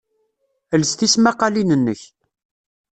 Els tismaqalin-nnek